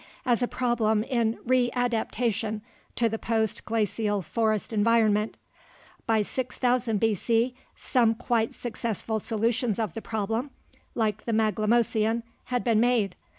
as a problem in readaptation to the post glacial forest environment. By 6000 B.C. some quite successful solutions of the problem like the Maglemosian had been made.